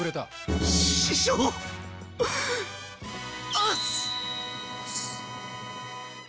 押忍！